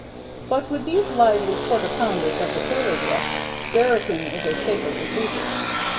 But with these lively quarter pounders of the Taylor Brook, derricking is a safer procedure.